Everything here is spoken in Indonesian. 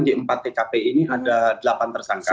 di empat tkp ini ada delapan tersangka